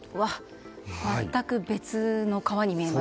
全く別の川に見えます。